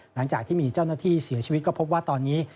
หลังจากที่มีเจ้าหน้าที่เสียชีวิตก็พบว่าตอนนี้